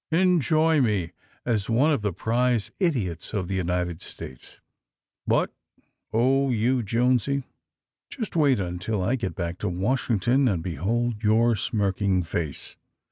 Enjoy me as one of the prize idiots of the United States. But — oh, you Jonesy! Just wait until I get back to Washington and be hold your smirking face!